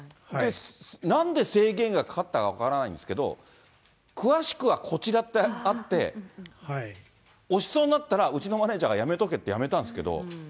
なんで制限がかかったか分からないんですけど、詳しくはこちらってあって、押しそうになったら、うちのマネージャーがやめとけってやめたんですけど。